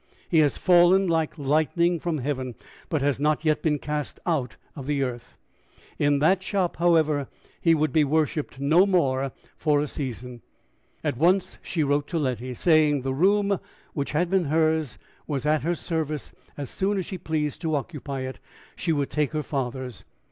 He has fallen like lightning from heaven, but has not yet been cast out of the earth. In that shop, however, he would be worshiped no more for a season. At once she wrote to Letty, saying the room which had been hers was at her service as soon as she pleased to occupy it: she would take her father's.